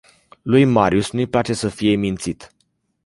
Lui marius nu-i place să fie mințit.